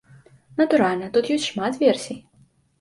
Натуральна, тут ёсць шмат версій.